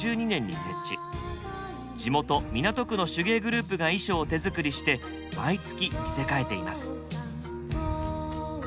地元港区の手芸グループが衣装を手作りして毎月着せ替えています。